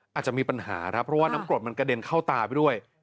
อาจจะมีปัญหาครับเพราะว่าน้ำกรดมันกระเด็นเข้าตาไปด้วย